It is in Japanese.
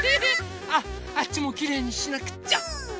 あっあっちもきれいにしなくっちゃ！